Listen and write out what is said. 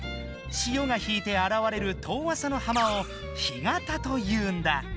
潮が引いてあらわれるとおあさのはまを「干潟」というんだ。